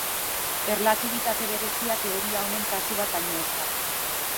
Erlatibitate berezia teoria honen kasu bat baino ez da.